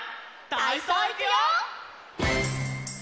たいそういくよ！